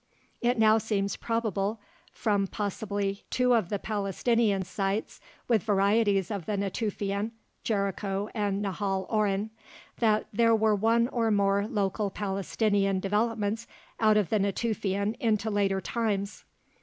It now seems probable from possibly two of the Palestinian sites with varieties of the Natufian (Jericho and Nahal Oren) that there were one or more local Palestinian developments out of the Natufian into later times.